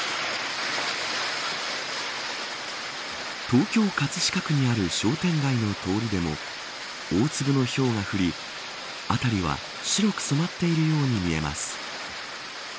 東京、葛飾区にある商店街の通りでも大粒のひょうが降り辺りは、白く染まっているように見えます。